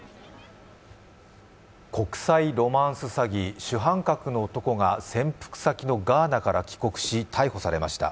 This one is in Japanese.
国際ロマンス詐欺、主犯格の男が潜伏先のガーナから帰国し逮捕されました。